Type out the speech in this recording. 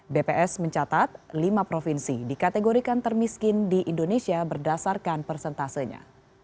bps mencatat lima provinsi dikategorikan termiskin di indonesia berdasarkan persentasenya